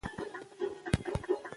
زه هر سهار وختي له خوبه پاڅېږم